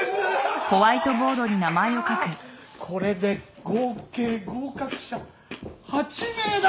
あこれで合計合格者８名だ。